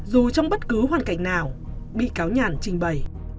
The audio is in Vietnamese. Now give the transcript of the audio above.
dù trong bất cứ hoàn cảnh nào bị cáo nhàn trình bày